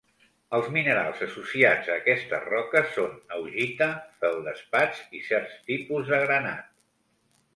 Els minerals associats a aquestes roques són augita, feldespats i certs tipus de granat.